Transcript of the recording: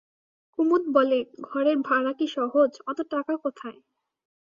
কুমুদ বলে, ঘরের ভাড়া কি সহজ, অত টাকা কোথায়?